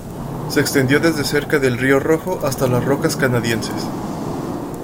Se extendió desde cerca del Río Rojo hasta las Rocas Canadienses.